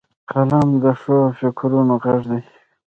قلم د ښو فکرونو غږ دی